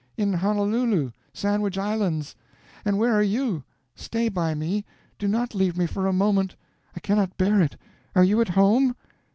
"In Honolulu, Sandwich Islands. And where are you? Stay by me; do not leave me for a moment. I cannot bear it. Are you at home?"